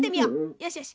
よしよし。